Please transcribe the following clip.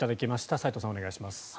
斎藤さん、お願いします。